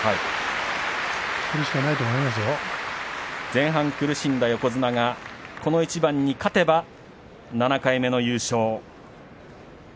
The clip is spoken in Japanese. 前半苦しんだ横綱がこの一番で勝てば７回目の優勝。